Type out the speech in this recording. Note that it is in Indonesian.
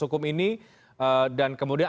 hukum ini dan kemudian